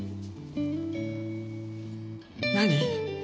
何？